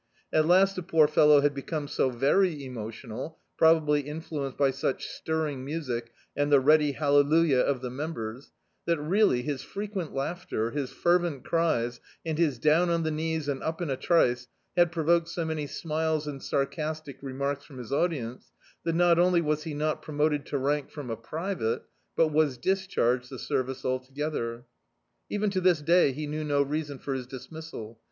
At last the poor fellow had become so very emotional, probably influenced by such stirring music and the ready hallelujah of the members, that really, his frequent lau^ter, his fer vent cries and his down on the knees and up in a trice, had provoked so many smiles and sarcastic re marks from his audience, tiiat not only was he not promoted to rank from a private, but was discharged the service altogether. Even to this day, he knew no reason for his dismissal.